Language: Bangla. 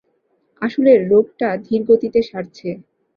আসলে রোগটা ধীর গতিতে সারছে।